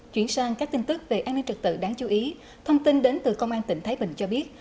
chuyển sang các tin tức về an ninh trật tự đáng chú ý thông tin đến từ công an tỉnh thái bình cho biết